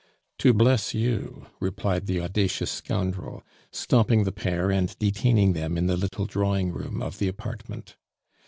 "To bless you," replied the audacious scoundrel, stopping the pair and detaining them in the little drawing room of the apartment.